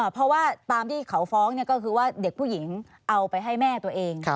เพราะว่าตามที่เขาฟ้องก็คือว่าเด็กผู้หญิงเอาไปให้แม่ตัวเอง